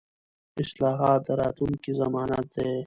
اصلاحات د راتلونکي ضمانت دي